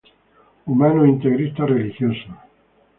Humanos integristas religiosos.